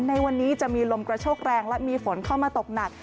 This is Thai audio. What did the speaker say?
ในวันนี้จะมีลมกระโชกแรงและมีฝนเข้ามาตกหนัก